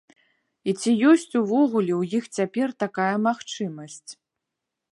І ці ёсць увогуле у іх цяпер такая магчымасць?